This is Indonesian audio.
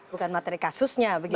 bukan materi kasusnya begitu ya